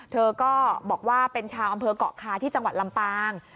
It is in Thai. เธอก็บอกว่าเป็นชาวอำเภอกเกาะคาที่จังหวัดลำปาง